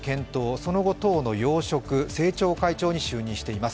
その後、党の要職、政調会長に就任しています。